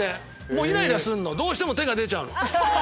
もうイライラするのどうしても手が出ちゃうの。